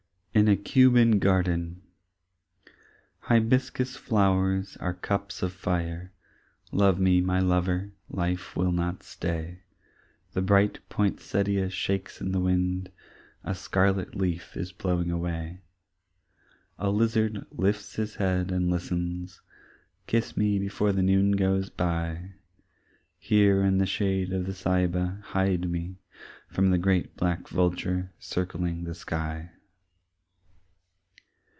In a Cuban Garden Hibiscus flowers are cups of fire, (Love me, my lover, life will not stay) The bright poinsettia shakes in the wind, A scarlet leaf is blowing away. A lizard lifts his head and listens Kiss me before the noon goes by, Here in the shade of the ceiba hide me From the great black vulture circling the sky.